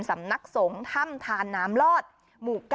สำนักสงฆ์ถ้ำทานน้ำลอดหมู่๙